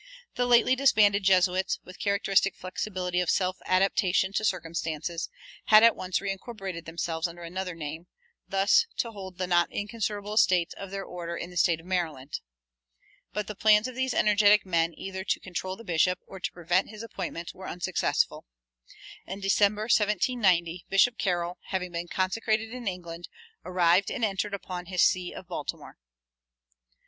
The lately disbanded Jesuits, with characteristic flexibility of self adaptation to circumstances, had at once reincorporated themselves under another name, thus to hold the not inconsiderable estates of their order in the State of Maryland. But the plans of these energetic men either to control the bishop or to prevent his appointment were unsuccessful. In December, 1790, Bishop Carroll, having been consecrated in England, arrived and entered upon his see of Baltimore.